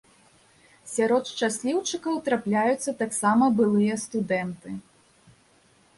Сярод шчасліўчыкаў трапляюцца таксама былыя студэнты.